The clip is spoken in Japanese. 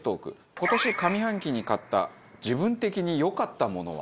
今年上半期に買った自分的に良かったものは？